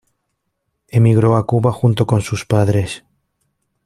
Emigró a Cuba junto con sus padres.